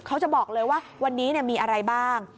เขาจะบอกเลยว่าวันนี้มีอะไรบ้าง